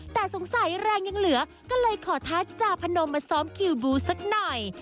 แต่สงสัยแรงยังเหลือก็เลยขอท้าจาพนมมาซ้อมคิวบูสักหน่อย